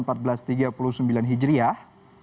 pada empat belas tiga puluh sembilan hijriah